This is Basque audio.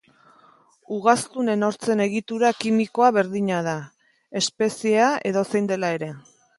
Ugaztunen hortzen egitura kimikoa berdina da, espeziea edozein dela ere.